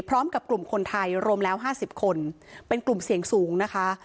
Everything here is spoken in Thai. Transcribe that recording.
พร้อมกับกลุ่มคนไทยรวมแล้ว๕๐คนเป็นกลุ่มเสี่ยงสูงนะคะ